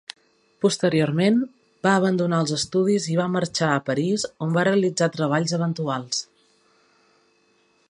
Posteriorment, va abandonar els estudis i va marxar a París on va realitzar treballs eventuals.